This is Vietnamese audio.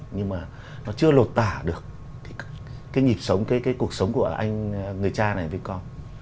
nhưng mà nó chưa lột tả được cái nhịp sống cái cuộc sống của người cha này với con